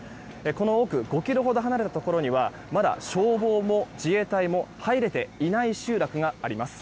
この奥、５ｋｍほど離れたところには消防も自衛隊も入れていない集落があります。